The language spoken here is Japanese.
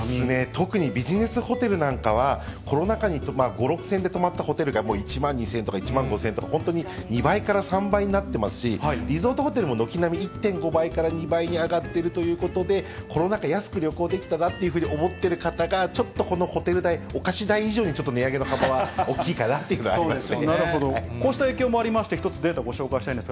特にビジネスホテルなんかは、コロナ禍に５、６０００円で泊まったホテルが、１万２０００円とか、１万５０００円とか、本当に２倍から３倍になっていますし、リゾートホテルも軒並、１．５倍から２倍に上がっているということで、コロナ禍、安く旅行できたなと思ってる方が、ちょっと、このホテル代、お菓子代以上に値上げの幅は大きいかなと思いますね。